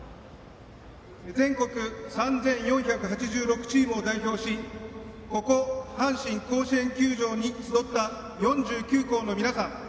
全国３４８６チームを代表しここ阪神甲子園球場に集った４９校の皆さん